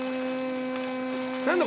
何だ？